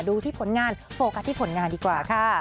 ดูที่ผลงานโฟกัสที่ผลงานดีกว่าค่ะ